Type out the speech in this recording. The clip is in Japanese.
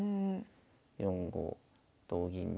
４五同銀に。